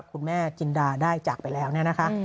คุณแม่จินดาได้จากไปแล้วเนี่ยนะคะ